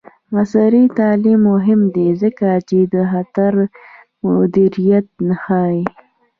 عصري تعلیم مهم دی ځکه چې د خطر مدیریت ښيي.